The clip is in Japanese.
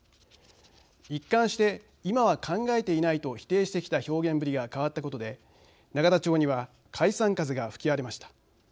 一貫して、今は考えていないと否定してきた表現ぶりが変わったことで永田町には解散風が吹き荒れました。